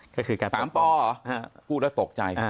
๓ปหรอพูดแล้วตกใจ